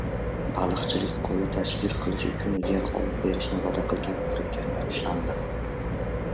Baliqchilik ko‘li tashkil qilish uchun yer olib berishni va’da qilgan firibgarlar ushlandi